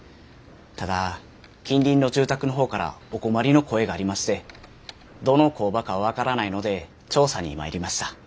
ただ近隣の住宅の方からお困りの声がありましてどの工場か分からないので調査に参りました。